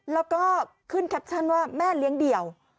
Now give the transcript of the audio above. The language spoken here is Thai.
แล้วก็ขึ้นแคปชั่นว่าแม่เลี้ยงเดี่ยว